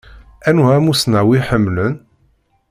Anwa amussnaw i ḥemmlen?